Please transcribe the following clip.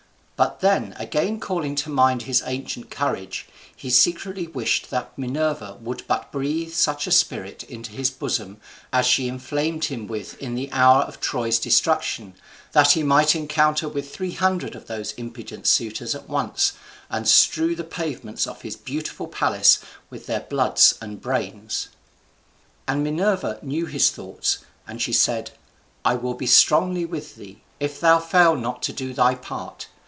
But then again calling to mind his ancient courage, he secretly wished that Minerva would but breathe such a spirit into his bosom as she inflamed him with in the hour of Troy's destruction, that he might encounter with three hundred of those impudent suitors at once, and strew the pavements of his beautiful palace with their bloods and brains. And Minerva knew his thoughts, and she said, "I will be strongly with thee, if thou fail not to do thy part.